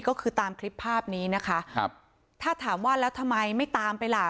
ก็คือตามคลิปภาพนี้นะคะครับถ้าถามว่าแล้วทำไมไม่ตามไปล่ะ